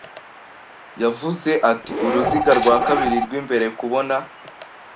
Yavuze ati uruziga rwa kabiri rw'imbere kubona